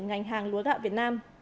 ngành hàng lúa gạo việt nam